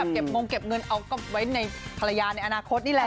ก็คือคนนี้แหละ